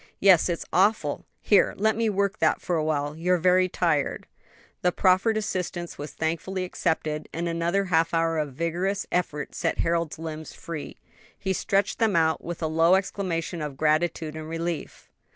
"Yes; it's awful! Here, let me work that for awhile. You're very tired." The proffered assistance was thankfully accepted, and another half hour of vigorous effort set Harold's limbs free. He stretched them out, with a low exclamation of gratitude and relief.